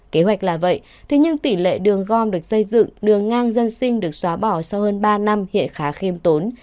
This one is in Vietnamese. kế hoạch là vậy thế nhưng tỷ lệ đường gom được xây dựng đường ngang dân sinh được xóa bỏ sau hơn ba năm hiện khá khiêm tốn